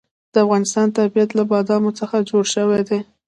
د افغانستان طبیعت له بادامو څخه جوړ شوی دی.